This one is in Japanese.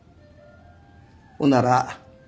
ほんなら。